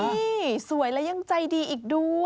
นี่สวยแล้วยังใจดีอีกด้วย